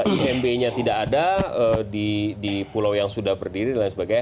imb nya tidak ada di pulau yang sudah berdiri dan lain sebagainya